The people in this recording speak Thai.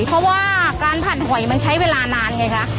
เพราะว่าการผัดหอยมันใช้เวลานานไงคะ